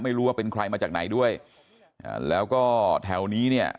ไม่รู้ว่าเป็นใครมาจากไหนด้วยอ่าแล้วก็แถวนี้เนี่ย